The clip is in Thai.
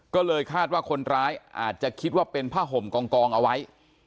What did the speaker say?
ก็เลยคาดว่าคนร้ายอาจจะคิดว่าเป็นผ้าห่มกองเอาไว้